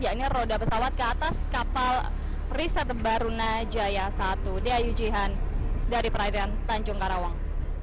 yakni roda pesawat ke atas kapal riset baruna jaya satu deayu jihan dari perairan tanjung karawang